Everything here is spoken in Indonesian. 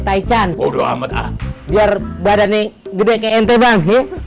taican udah amat ah biar badan nih gede ke ente bang